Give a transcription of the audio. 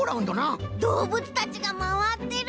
どうぶつたちがまわってる！